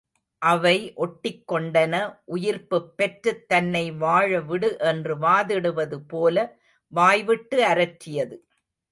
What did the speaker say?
அவை ஒட்டிக் கொண்டன உயிர்ப்புப் பெற்றுத் தன்னை வாழவிடு என்று வாதிடுவது போல வாய்விட்டு அரற்றியது.